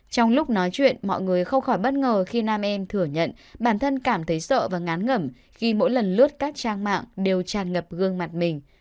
trong lúc nói chuyện mọi người không khỏi bất ngờ khi nam em thừa nhận bản thân cảm thấy sợ và ngán ngẩm khi mỗi lần lướt các trang mạng đều tràn ngập gương mặt mình